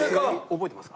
覚えてますか？